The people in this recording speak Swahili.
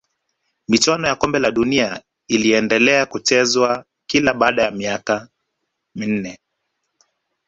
michuano ya kombe la dunia iliendelea kuchezwa kila baada ya miaka minne